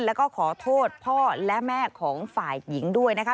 แล้วก็ขอโทษพ่อและแม่ของฝ่ายหญิงด้วยนะคะ